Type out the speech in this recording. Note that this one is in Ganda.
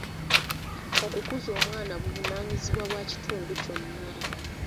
Okukuza omwana buvunaanyizibwa bwa kitundu kyonna.